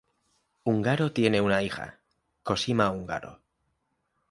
Ungaro tiene una hija, Cosima Ungaro.